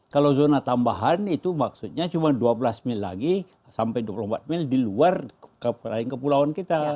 kalau zona tambahan itu maksudnya cuma dua belas mil lagi sampai dua puluh empat mil di luar kepulauan kita